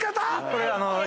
これ。